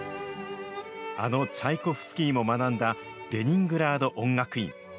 あのチャイコフスキーも学んだ、レニングラード音楽院。